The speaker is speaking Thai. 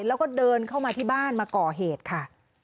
แล้วก็เดินเข้ามาที่บ้านมาก่อเหตุค่ะ